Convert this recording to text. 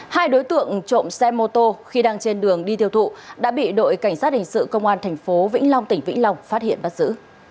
hai đối tượng trộm xe mô tô khi đang trên đường đi tiêu thụ đã bị đội cảnh sát hình sự công an tp vĩnh long tỉnh vĩnh long phát hiện bắt giữ